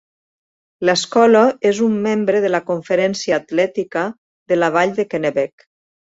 L'escola és un membre de la conferència atlètica de la vall de Kennebec.